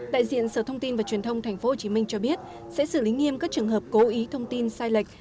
đại diện sở thông tin và truyền thông tp hcm cho biết sẽ xử lý nghiêm các trường hợp cố ý thông tin sai lệch